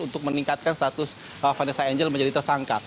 untuk meningkatkan status vanessa angel menjadi tersangka